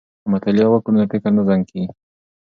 که مطالعه وکړو نو فکر نه زنګ کیږي.